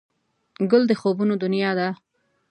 ګل د خوبونو دنیا ده.